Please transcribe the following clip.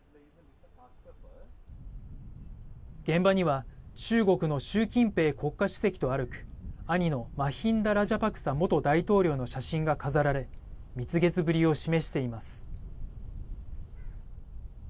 現場には中国の習近平国家主席と歩く兄のマヒンダ・ラジャパクサ元大統領の写真が飾られ蜜月ぶりを示しています。